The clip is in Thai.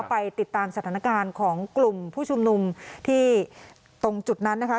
ไปติดตามสถานการณ์ของกลุ่มผู้ชุมนุมที่ตรงจุดนั้นนะคะ